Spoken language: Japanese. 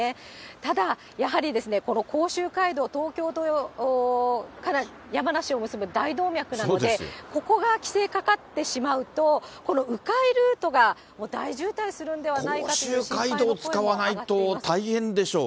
ただ、やはりこの甲州街道、東京から山梨を結ぶ大動脈なので、ここが規制かかってしまうと、このう回ルートがもう大渋滞するんではないかという心配の声も上甲州街道使わないと大変でしょう。